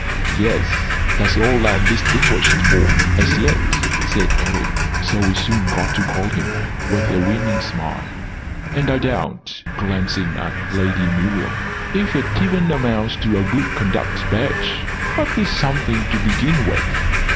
"Yes, that's all I'm distinguished for, as yet!" said Eric (so we soon got to call him) with a winning smile. "And I doubt," glancing at Lady Muriel, "if it even amounts to a good conduct badge! But it's something to begin with."